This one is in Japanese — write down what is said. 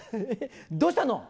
どうしたの？